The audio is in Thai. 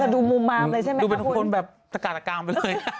เราดูมุมบามเลยใช่ไหมครับคุณดูเป็นคนแบบสการกรรมไปเลย